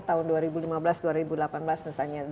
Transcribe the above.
tahun dua ribu lima belas dua ribu delapan belas misalnya